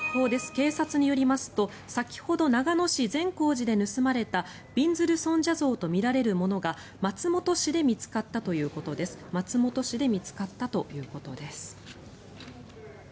警察によりますと先ほど、長野市・善光寺で盗まれたびんずる尊者像とみられるものが松本市で見つかったということです。